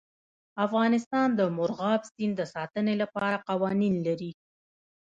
افغانستان د مورغاب سیند د ساتنې لپاره قوانین لري.